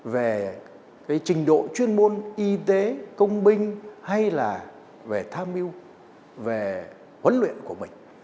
về cái trình độ chuyên môn y tế công binh hay là về tham mưu về huấn luyện của mình